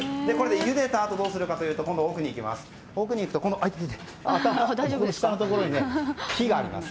ゆでたあとどうするかというと奥に行くと下のところに火があります。